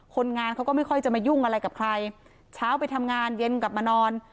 คนงานเขาก็ไม่ค่อยจะมายุ่งอะไรกับใครเช้าไปทำงานเย็นกลับมานอน